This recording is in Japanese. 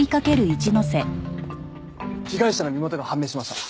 被害者の身元が判明しました。